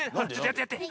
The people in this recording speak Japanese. やってやって！